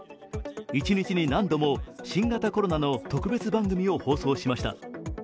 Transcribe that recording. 一日に何度も新型コロナの特別番組を放送しました。